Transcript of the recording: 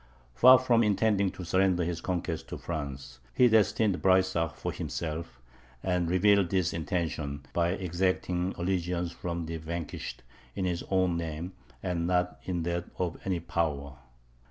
Far from intending to surrender his conquests to France, he destined Breysach for himself, and revealed this intention, by exacting allegiance from the vanquished, in his own name, and not in that of any other power.